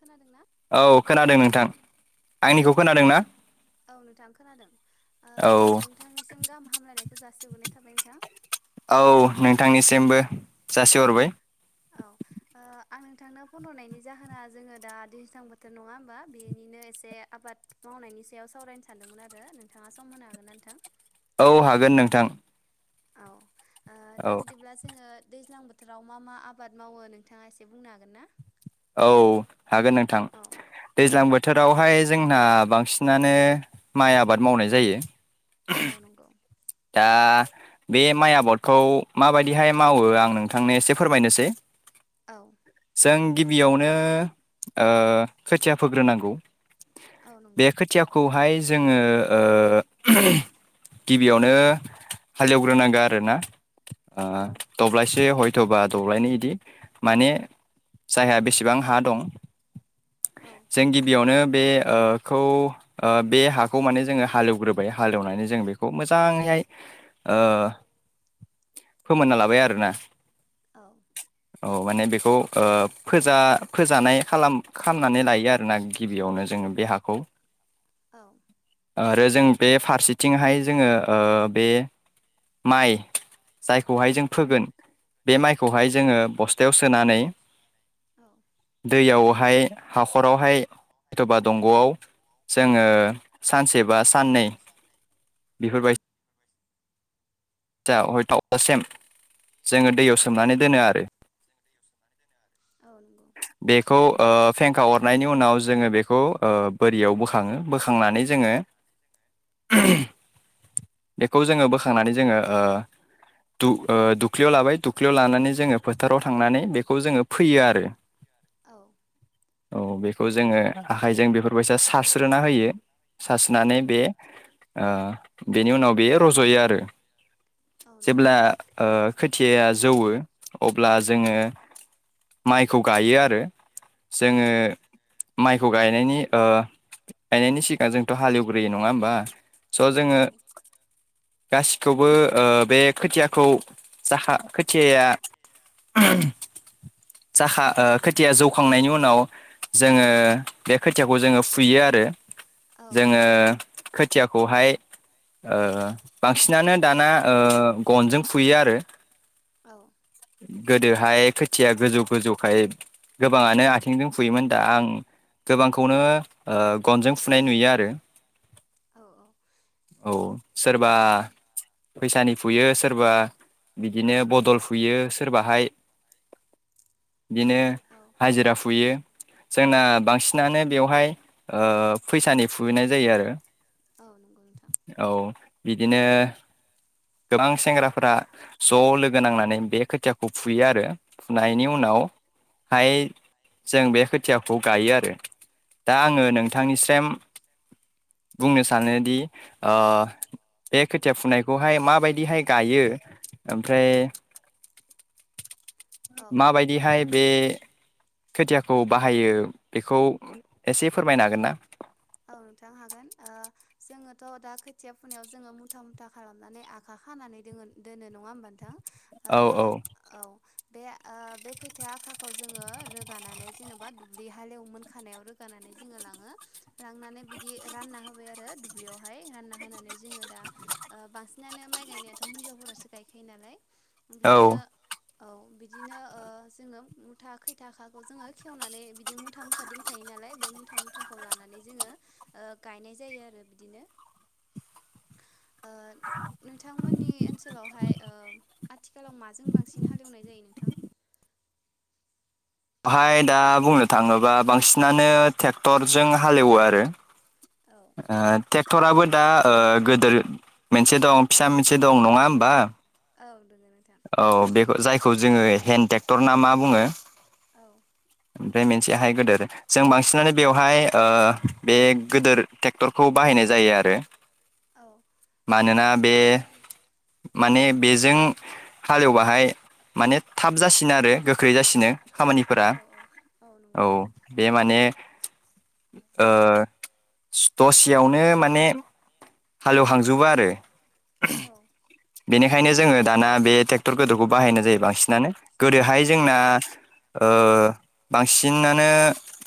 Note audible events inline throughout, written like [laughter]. खोनादोंना औ खोनादों नोंथां औ आंनिखौ खोनादों ना औ नोंथां खोनादों औ नोंथांनिसिम गाहाम हामलायनायखौ जासिहरनाय थाबाय नोंथां। औ नोंथांनिसिमबो औ जासिहरबाय औ ओ आं नोंथांनो फन हरनायनि जाहोना जोङो दा दैज्लां बोथोर नङा होमबा बेनिनो एसे आबाद माव मावनायनि सायाव सावरायनो सानदोंमोन आरो नोंथाङा सम होनो हागोन ना नोंथां। औ हागोन नोंथां औ औ दा बिदिब्ला जोङो दैज्लां बोथोराव मा मा आबाद मावो नोंथाङा एसे बुंनो हागोन ना? औ हागोन नोंथां औ औ दैज्लां बोथोरावहाय जोंना बांसिनानो माइ आबाद मावनाय जायो। औ नंगौ दा बे माइ आबादखौ माबायदिहाय मावो आं नोंथांनो एसे फोरमायनोसै औ जों गिबियावनो खोथिया फोग्रोनांगौ। औ नंगौ बे खोथियाखौहाय जोङो ओ गिबियावनो हालेवग्रोनांगोन आरोना औ दबलायसे ह थबा दौब्लायनै इदि माने जायहा बेसेबां हा दं औ [unintelligible] जों गिबियावनो बे ओ खौ ओ बे हाखौ माने जोङो हालेवग्रोबाय हालेवनानै जों बे खौ मोजाङैाय ओ फोमोनना लाबाय आरोना औ औ माने बेखौ ओ फोजा फोजानाय खालाम खामनानै लायो आरो ना गिबियावनो जों जोङो बे हाखौ औ आरो जों बे फारसेथिंहाय जोङो ओ बे माइ जायखौहाय जों फोगोन बे औ माइखौहाय जोङो बस्थायाव सोनानै दैयावहाय हाखरावहाय एथ'बा दंग'आव जोङो औ सानसे बा साननै औ बेफोरबाय [inaudible] जोङो दैयाव सोमनानै दोनो आरो [inaudible] औ नंगौ [inaudible] बेखौ ओ फेंखा अरनायनि उनाव जोङो बेखौ ओ बोरियाव बोखाङो बोखांनानै जोङो [unintelligible] बेखौ जोङो बोखांनानै जोङो ओ दु ओ दुुख्लियाव लाबाय दुख्लियाव लानानै जोङो फोथाराव थांनानै बेखौ जोङो फोयो आरो। औ बेखौ जोङो आखाइजों बेफोरबायसा सारस्रोना होयो। औ सासोनानै बे ओ बेनि उनाव बे रज'यो आरो। औ नंगौ जेब्ला ओ खोथियाया जौवो अब्ला जोङो माइखौ गायो आरो औ जोङो माइ खौ गायनायनि ओ गायनायनि सिगां जोंथ' हालेवग्रोयो नङा होमबा। स' औ जोङो नंगौ गासिखौबो ओ बे खोथियाखौ जाहा खोथियाया [unintelligible] जाखा ओ खोथिया जौखांनायनि उनाव जोङो बे खोथियाखौ जोङो फुयो आरो। औ जोङो खोथियाखौहाय ओ बांसिनानो दाना ओ गनजों फुयो आरो। औ गोदोहाय खोथिया गोजौ गोजौखाय गोबाङानो आथिंजों फुयोमोन दा आं गोबांखौनो ओ गनजों फुनाय नुयो आरो। औ औ सोरबा फैसानि फुयो सोरबा बिदिनो बदल फुयो सोरबाहाय बिदिनो औ हाजिरा फुयो। जोंना बांसिनानो बेवहाय ओ फैसानि फुहोनाय जायो आरो। औ नंगौ नोंथां औ बिदिनो गोबां सेंग्राफोरा ज' लोगो नांनानै बे खोथियाखौ फुयो आरो। नायनि उनावहाय जों बे खोथियाखौ गायो आरो। दा आङो नोंथांनिसेम बुंनो सानोदि ओ बे खोथिया फुनायखौहाय माबायदिहाय गायो ओमफ्राय औ माबायदिहाय बे खोथियाखौ बाहायो बेखौ एसे फोरमायनो हागोन ना? औ नोंथां हागोन ओ जोङोथ' दा खोथिया फुनायाव जोङो मुथा मुथा खालामनानै आखा खानानै दङ दोनो नङा होमबा नोंथां। ओ औ औ औ बे ओ ओ बे खोथिया आखाखौ जोङो रोगानानै जेने'बा दुब्लि हालेव मोन खानायाव रोगानानै जोङो लाङो। लांनानै बिदि रानना होबाय आरो दुब्लियावहाय रानना होनानै जोङो दा ओ बांसिनानो माइ गायनायाथ' हिनजावफोरासो गायखायो नालाय औ बिदिनो औ बिदिनो ओ जोंङो मुथा खैथाखाखौ जोङो खेवनानै बिदि मुथा मुथा दोनखायो ना लाय बे मुथा मुथाखौ लानानै जोङो ओ गायनाय जायो आरो बिदिनो ओ नोंथांमोननि ओनसोलावहाय ओ आथिखालाव माजों बांसिन हालेवनाय जायो नोंथां? बेवहाय दा बुंनो थाङोबा बांसिनानो ट्रेक्टरजों हालेवो आरो। औ ओ ट्रेक्टराबो दा ओ गोदोर मोनसे दं फिसा मोनसे दं नङा होमबा? औ दोङो नोंथां। औ जायखौ बेखौ जोङो हेन्द ट्रेक्टर ना मा बुङो। औ। ओमफ्राय मोनसेहाय गोदोर जों बांसिनानो औ बेवहाय ओ बे गोदोर ट्रेक्टरखौ बाहायनाय जायो आरो औ ओ मानोना औ बे माने बेजों हालेवबाहाय माने थाब जासिनो आरो गोख्रै जासिनो। खामानिफोरा औ औ औ नंगौ बे माने ओ दसेयावनो माने हालेवहांजोबो आरो औ। बेनिखायनो जोङो दाना बे ट्रेक्टर गोदोखौ बाहायनाय जायो बांसिनानो। गोदोहाय औ जोंना नोंथां ओ बांसिनानो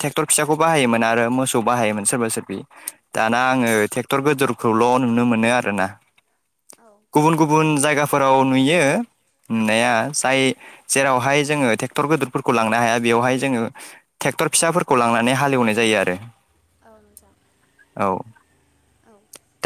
ट्रेक्टर फिसाखौ बाहायोमोन आरो मोसौ बाहायोमोन सोरबा सोरबि। दाना औ आङो ट्रेक्टर गोदोरखौल' नुनो मोनो आरोना। औ। गुबुन - गुबुन जायगाफोराव नुयो नुनाया जाय जेरावहाय जोङो ट्रेक्टर गिदिरफोरखौ लांनो हाया बेयावहाय जोङोे टेक ट्रेक्टर फिसाफोरखौ लांनानै हालेवनाय जायो आरो। औ नोंथां औ औ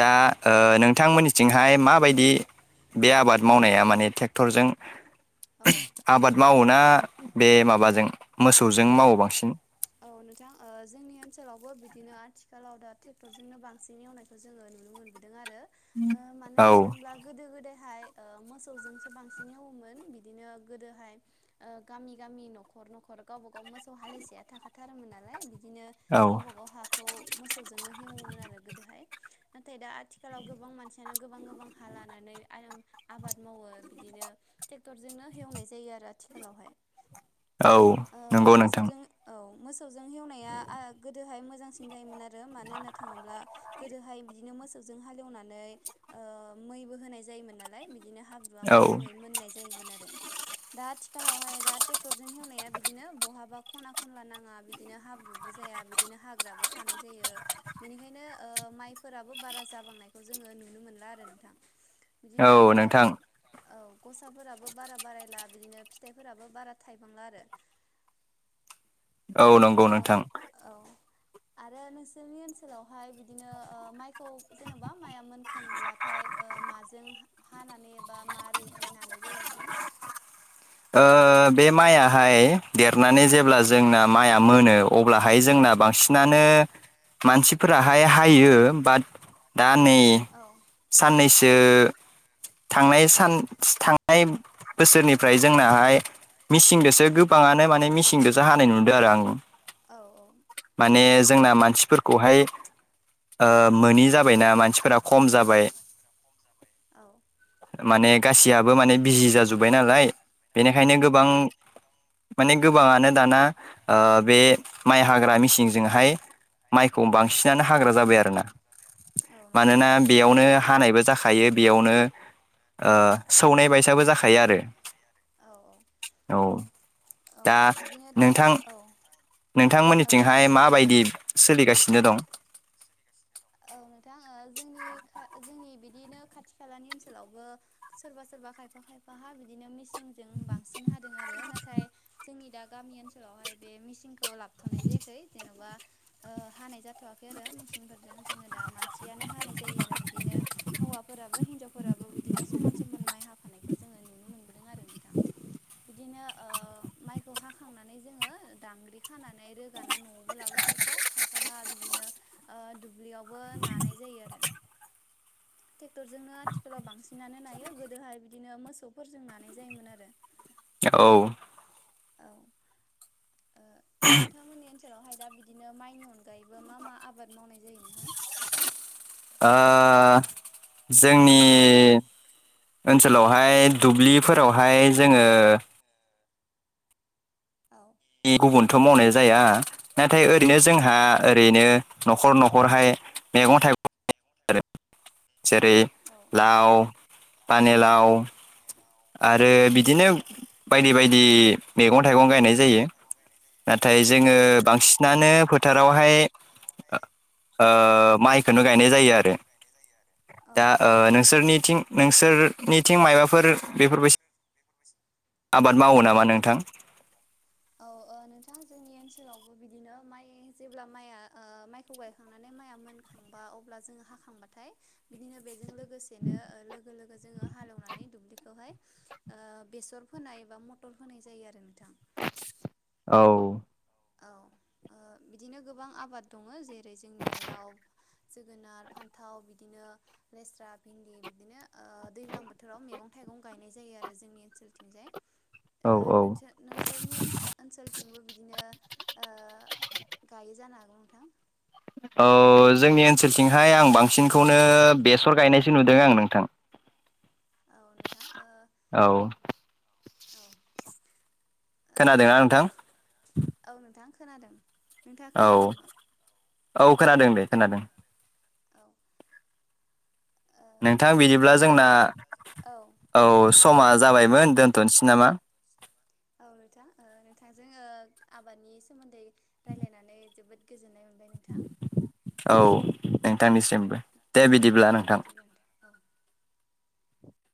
दा ओ नोंथांमोननिथिं हाय माबायदि बे आबाद मावनाया माने ट्रेक्टरजों औ आबाद मावोना बे माबाजों मोसौजों मावो बांसिन? औ नोंथां ओ जोंनि ओनसोलावबो बिदिनो आथिखालाव दा ट्रेक्टरजोंनो बांसिन एवनायखौ जोङो नुनो मोनबोदों आरो ओ मानो नायनो औ थांब्ला गोदो गोदाय [inaudible] मोसौ जोंसो बांसिन हेवोमोन बिदिनो गोदोहाय ओ गामि- गामि न'खर- न'खर गावबागाव मोसौ हालिसेया थाखाथारोमोन नालाय बिदिनो औ गावबा गाव हाखौ मोसौजोंनो हेवोमोन आरो गोदोहाय नाथाय दा आथिखालाव गोबां मानसियानो गोबां गोबां हा लानानै आरो आबाद मावो बिदिनो ट्रेक्टरजोंनो हेवनाय जायो आरो आथिखालावहाय। औ ओ नंगौ नोंथां। मोसौजों औ मोसौजों हेवनाया आ गोदोहाय मोजांसिन जायोमोन आरो मानो होनना थाङोब्ला गोदोहाय बिदिनो मोसौजों हालएवनानै ओ मै बो होनाय जायोमोन नालाय। बिदिनो हाब्रुवा औ मोजाङै मोननाय जायो आरो दा आथिखालाव हाय दा ट्रेकटरजों हेवनाया बिदिनो बहाबा खना खनला नाङ ङा बिदिनो हाब्रुबो जाया बिदिनो हाग्राबो थानाय जायो बेनिखायनो ओ माइफोराबो बारा जाबांनायखौ जोङो नुनो मोनला आरो नोंथां बिदिनो औ ओ नोंथां औ। गसाफोराबो बारा बारायला बिदिनो फिथाइफोराबो बारा थायबांला आरो। औ नंगौ ओ नोंथां। औ आरो नोंसोरनि ओनसोलावहाय बिदिनो ओ माइखौ जेन'बा माइआ मोनखांब्लाथाय ओ माजों हानानै एबा मारैहाय नानाय जायो नोंथां? [inaudible] ओ बे माइयाहाय देरनानै जेब्ला जोंना माइआ मोनो अब अब्लाहाय जोंना औ बांसिनानो मानसिफोराहाय हायो बाट दा नै औ साननै सो थांनाय सान थांनाय बोसोरनि फ्राय जोंनाहाय मिसिंजोंसो गोबाङानो माने मिसिंजोंसो हानाय नुदों आरो आं औ माने जोंना मानसिफोरखौहाय ओ मोनि जाबाय ना मानसिफोरा खम जा बाय औ माने गासैयाबबो माने बिजि जाजोब्बाय नालाय बेनिखायनो औ गोबां माने गोबाङानो दाना ओ बे माइ हाग्रा मेसिनजोंहाय माइखौ बांसिनानो हाग्रा जाबाय आरोना औ नंगौ मानोना नोंथां बेयावनो हानायबो जाखायो बेयावनो ओ सौनाय बायसाबो जाखायो आरो औ औ औ औ दा बिदिनो दा नोंथां औ औ दे नोंथांमोननिथिंहाय बुंनाय माबादि सोलिगासिनो दं? औ नोंथां जोंनि खा जोंनि बिदिनो खाथि खालानि ओनसोलावबो सोरबा सोरबा खायफा खायफा खायफाहा बिदिनो मेसिनजों बांसिन हादों आरो नाथाय जोंनि दा गामि ओनसोलावहाय बे मेसिनखौ लाबोथनाय जायाखै जेनबा ओ हानाय जाथयाखै मेसिनफोरजों। जोंङो दा मानसियानो हानाय जायो आरो बिदिनो हौवाफोराबो हिनजावफोराबो बिदिनो समान समान माइ हाफानायखौ जोंङो नुनो मोनबोदों आरो नोंथां। बिदिनो ओ माइखौ हाखांनानै जोंङो दांग्रि खानानै रोगाना न'आवबो लाबो खायफा खायफाहा बिदिनो ओ दुब्लियावबो नानाय जायो आरो [unintelligible] ट्रेक्टरजोंनो आथिखालाव बांसिनानो नायो गोदोहाय बिदिनो मोसौफोरजों नानाय जायोमोन आरो औ औ ओ नोंथांमोननि ओन सोलावहाय दा बिदिनो माइनि अनगायैबो मा मा आबाद मावनाय जायो नोंथां? आ जोंनि ओनसोलावहाय दुब्लिफोरावहाय जोंङो औ गुबुनथ' मावनाय जाया नाथाय ओरैनो औ जोंहा ओरैनो न'खर न' खरहाय मैगं थाइगं जेरै औ लाव पानिलाव आरो बिदिनो बायदि बायदि मैगं थाइगं गायनाय जायो। नाथाय औ औ जोंङो नंगौ बांसिनानो फोथारावहाय ओ माइखौनो गायनाय जायो आरो औ दा औ ओ नोंसोरनिथिं नोंसोरनिथिं माबाफोर आबाद मावो नामा नोंथां? औ ओ नोंथां जोंनि ओनसोलावबो बिदिनो माइ जेब्ला माइआ ओ माइखौ गायखांनानै माइआ मोनखांबा अब्ला जों हाखांबाथाय बिदिनो लोगोसे लोगो लोगो जोंङो हालैनानै दुब्लिखौ हाय ओ बेसर फोनाय एबा मटर होनाय जायो आरो नोंथां। औ औ बिदिनो ओ गोबां आबाद दङ जेरै जोंनिया लाव जोगोनार फान्थाव बिदिनो लेस्रा भिन्दि बिदिनो ओ दैज्लां बोथोराव मेैगं थाइगं गायनाय जायो आरो जोंनि ओनसोलथिंजाय औ ओ औ नोंस नोंसोरनि ओनसोलथिंबो बिदिनो ओ गायो जानो हागौ नोंथां औ जोंनि ओनसोलथिंहाय आं बांसिनखौनो बेसर गायनायसो नुदों आं नोंथां। औ नोंथां ओ औ औ ओ खोनादोंना नोंथां? औ नोंथां खोनादों। नोंथाङा औ खोनायाखै नामा? औ खोनादों दे खोनादों औ ओ नोंथां बिदिब्ला जोंना औ समा जाबायमोन दोनथ'नसै नामा औ नोंथां ओ नोंथांजों औ आबादनि सोमोन्दै रायलायनानै जोबोद गोजोननाय मोनबाय नोंथां औ औ नोंथांनिसिमबो दे औ बिदिब्ला दे नोंथां बिदिब्ला नोंथां [inaudible]